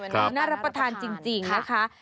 ใช่มันน่ารับประทานนะคะครับ